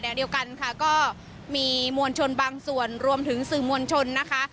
เดียวกันค่ะก็มีมวลชนบางส่วนรวมถึงสื่อมวลชนนะคะ